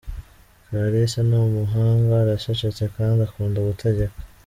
Clarisse ni umuhanga, aracecetse kandi akunda gutegeka.